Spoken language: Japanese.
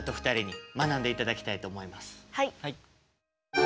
はい！